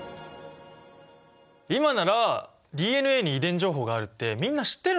今ならＤＮＡに遺伝情報があるってみんな知ってるのにね。